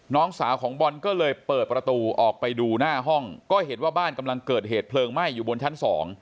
น้องสาวของบอลก็เลยเปิดประตูออกไปดูหน้าห้องก็เห็นว่าบ้านกำลังเกิดเหตุเพลิงไหม้อยู่บนชั้น๒